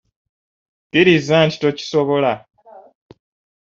Kkiriza nti tokisobola.